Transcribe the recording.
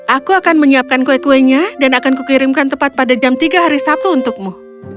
aku akan menyiapkan kue kuenya dan akan kukirimkan tepat pada jam tiga hari sabtu untukmu